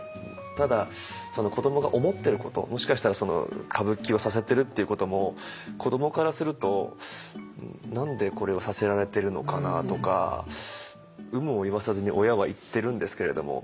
ただ子どもが思ってることもしかしたら歌舞伎をさせてるっていうことも子どもからすると何でこれをさせられてるのかなとか有無を言わさずに親は言ってるんですけれども。